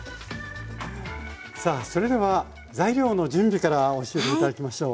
さあそれでは材料の準備から教えて頂きましょう。